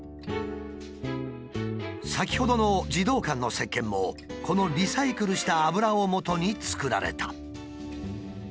先ほどの児童館のせっけんもこのリサイクルした油をもとに作られた。